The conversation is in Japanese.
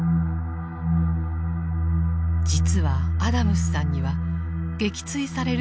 実はアダムスさんには撃墜される